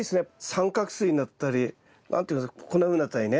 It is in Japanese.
三角錐になったり何て言うんですかこんなふうになったりね。